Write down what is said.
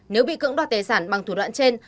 nếu bị cưỡng đoạt tài sản bằng thủ đoạn trên